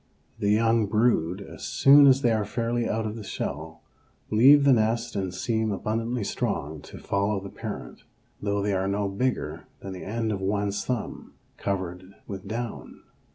The young brood, as soon as they are fairly out of the shell, leave the nest and seem abundantly strong to follow the parent, though they are no bigger than the end of one's thumb covered with down.